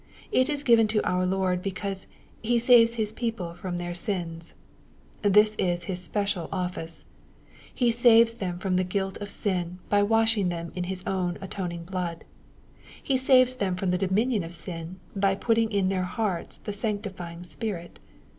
It is given to our Lord because " He saves His people from their sins/' This is His special office. He saves them from the guilt of sin, by washing them in His own atoning blood. He saves them from the dominion of sin, by putting in their hearts the sanctifying Spirit.